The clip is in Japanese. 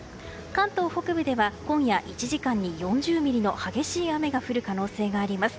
関東北部では今夜１時間に４０ミリの激しい雨が降る可能性があります。